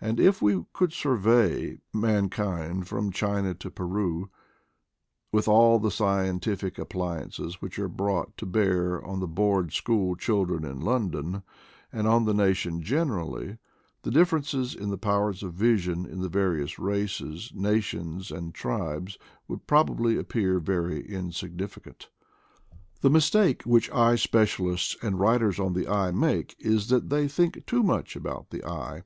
And if we could survey mankind from China to Peru with all the scientific appliances which are brought to bear on the Board school children in London, and on the nation generally, the differences in the powers of vision in the various races, nations, and tribes, would probably appear very insignificant; The mistake which eye specialists and writers on the eye make is that they think too much about the eye.